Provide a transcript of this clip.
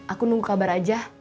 aku nunggu kabar aja